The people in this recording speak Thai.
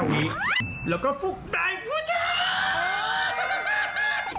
๑๕วิแล้วก็ฟุกใดผู้ชาย